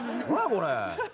これ。